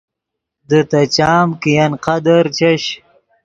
دے تے چام کہ ین قدر چش